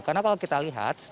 karena kalau kita lihat